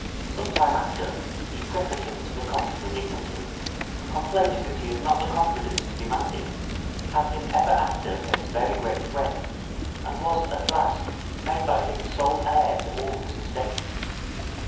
Some time after, he preferred him to the consular dignity, complaining that he had not the confidence to demand it; had him ever after for his very great friend, and was, at last, made by him sole heir to all his estate.